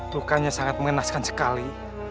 lukanya sangat mengenaskan sekali